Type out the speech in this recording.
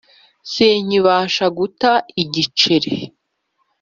sinkibasha guta igiceri